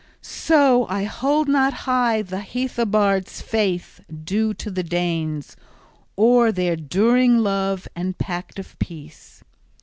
"So {28e} I hold not high the Heathobards' faith due to the Danes, or their during love and pact of peace.